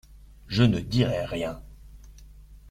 Je ne dirai rien.